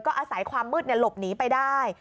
อาศัยความมืดหลบหนีไปได้